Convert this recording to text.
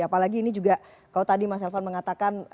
apalagi ini juga kalau tadi mas elvan mengatakan